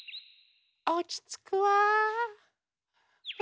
おちつくわ。